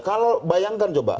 kalau bayangkan coba